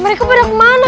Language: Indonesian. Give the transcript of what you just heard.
mereka pada kemana